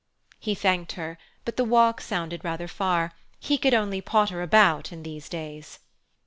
He thanked her, but the walk sounded rather far; he could only potter about in these days.